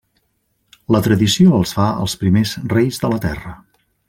La tradició els fa els primers reis de la terra.